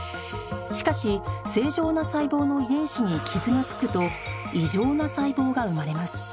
しかし正常な細胞の遺伝子に傷が付くと異常な細胞が生まれます